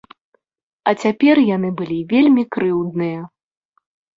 А цяпер яны былі вельмі крыўдныя.